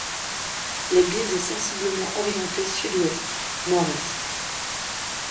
L'église est sensiblement orientée sud ouest, nord est.